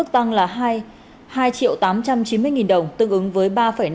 hai tám trăm chín mươi đồng tương ứng với ba năm mươi tám